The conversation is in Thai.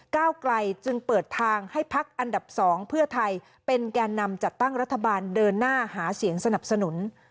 ก้าวไกลจึงเปิดทางให้พักอันดับ๒เพื่อไทยเป็นแก่นำจัดตั้งรัฐบาลเดินหน้าหาเสียงสนับสนุน